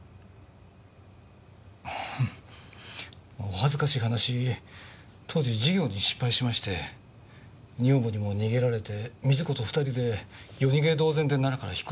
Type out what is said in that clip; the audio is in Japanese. お恥ずかしい話当時事業に失敗しまして女房にも逃げられて瑞子と２人で夜逃げ同然で奈良から引っ越したんです。